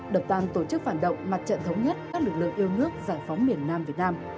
đập tàn tổ chức phản động mặt trận thống nhất các lực lượng yêu nước giải phóng miền nam việt nam